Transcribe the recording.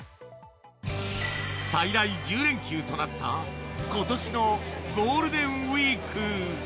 最大１０連休となった今年のゴールデンウィーク。